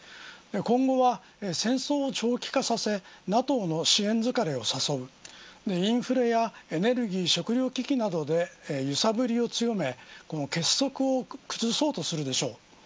今後は、戦争を長期化させＮＡＴＯの支援疲れを誘うインフレやエネルギー食料危機などで揺さぶりを強め結束を崩そうとするでしょう。